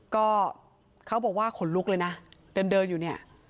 ก็เขาบอกว่าขนลุกเลยนะเดินอยู่เนี่ย